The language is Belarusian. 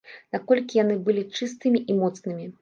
Наколькі яны былі чыстымі і моцнымі.